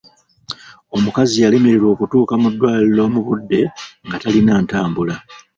Omukazi yalemererwa okutuuka mu ddwaliro mu budde nga talina ntambula.